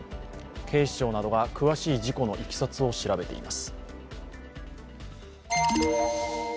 警視庁などが詳しい事故のいきさつを調べています。